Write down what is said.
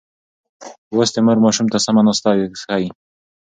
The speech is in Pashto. لوستې مور ماشوم ته سمه ناسته ښيي.